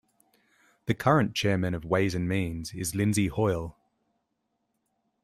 The current Chairman of Ways and Means is Lindsay Hoyle.